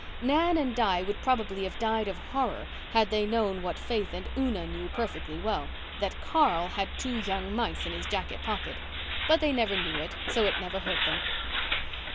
Nan and Di would probably have died of horror had they known what Faith and Una knew perfectly well—that Carl had two young mice in his jacket pocket. But they never knew it, so it never hurt them.